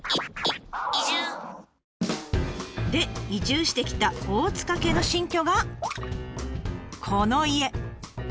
で移住してきた大塚家の新居がこの家。